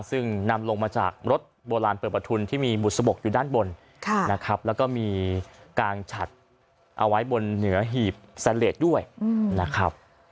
ซึ่งนำลงมาจากรถโบราณเปิดประทุนที่มีบุษบกอยู่ด้านบนนะครับแล้วก็มีการฉัดเอาไว้บนเหนือหีบแซนเลสด้วยนะครับ